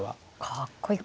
かっこいい。